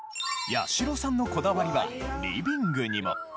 八代さんのこだわりは、リビングにも。